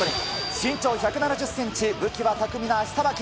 身長１７０センチ、武器は巧みな足さばき。